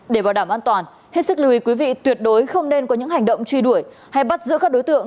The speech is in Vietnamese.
để bảo đảm an toàn hết sức lùi quý vị tuyệt đối không nên có những hành động truy đuổi hay bắt giữa các đối tượng